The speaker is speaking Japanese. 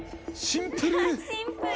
シンプル。